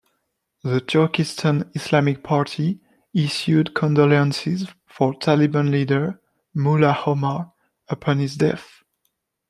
The Turkistan Islamic Party issued condolences for Taliban leader Mullah Omar upon his death.